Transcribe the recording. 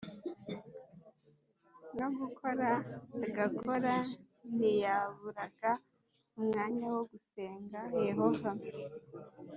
No gukora agakora ntiyaburaga umwanya wo gusenga Yehova